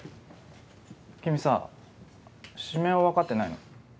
君さ指名をわかってないの？